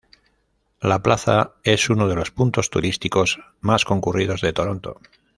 La plaza es uno de los puntos turísticos más concurridos de Toronto.